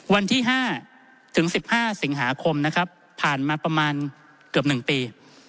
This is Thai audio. วันที่๕ถึง๑๕สิงหาคมนะครับผ่านมาประมาณเกือบ๑ปี